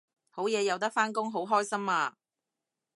好嘢有得返工好開心啊！